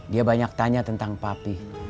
dia banyak tanya tentang papi